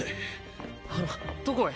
あのどこへ？